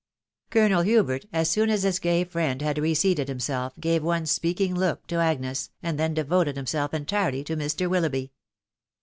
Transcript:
Colonel Hubert, as soon as his gay friend had mealed him self, gave one speaking look to Agnes, and then devoted hinuelf entirely to Mr. Willoughby.